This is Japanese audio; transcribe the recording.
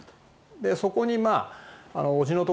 そこにまあ。